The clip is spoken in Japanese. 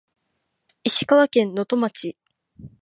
石川県能登町